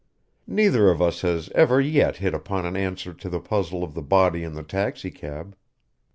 Neither of us has ever yet hit upon an answer to the puzzle of the body in the taxicab.